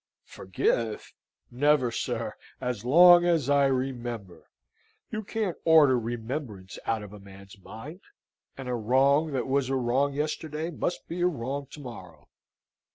"Forgive? Never, sir, as long as I remember. You can't order remembrance out of a man's mind; and a wrong that was a wrong yesterday must be a wrong to morrow.